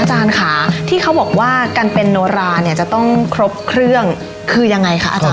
อาจารย์ค่ะที่เขาบอกว่าการเป็นโนราเนี่ยจะต้องครบเครื่องคือยังไงคะอาจารย